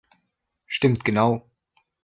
Stimmt genau!